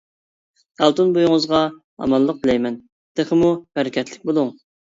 ئالتۇن بويىڭىزغا ئامانلىق تىلەيمەن، تېخىمۇ بەرىكەتلىك بولۇڭ.